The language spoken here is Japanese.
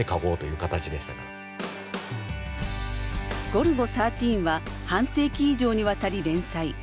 「ゴルゴ１３」は半世紀以上にわたり連載。